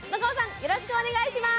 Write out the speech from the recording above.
よろしくお願いします。